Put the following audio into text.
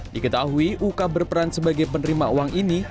diketahui uka berperan sebagai penerima uang ini